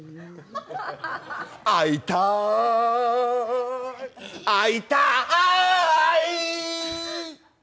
会いたい会いたい。